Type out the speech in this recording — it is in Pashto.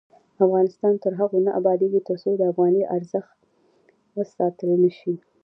افغانستان تر هغو نه ابادیږي، ترڅو د افغانۍ ارزښت وساتل نشي.